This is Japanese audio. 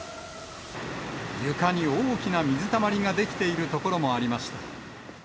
床に大きな水たまりができている所もありました。